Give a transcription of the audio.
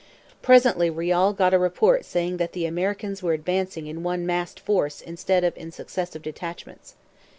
Presently Riall got a report saying that the Americans were advancing in one massed force instead of in successive detachments.